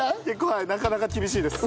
はいなかなか厳しいです。